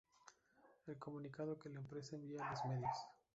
el comunicado que la empresa envía a los medios